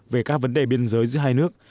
về các vấn đề biên giới giữa hai nước